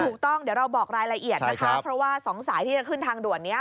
ถูกต้องเดี๋ยวเราบอกรายละเอียดนะคะเพราะว่าสองสายที่จะขึ้นทางด่วนนี้